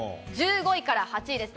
１５位から８位です。